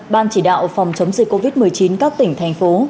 ban chỉ đạo phòng chống dịch covid một mươi chín các tỉnh thành phố